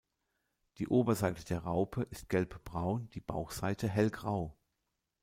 Die Oberseite der Raupe ist gelbbraun, die Bauchseite hellgrau.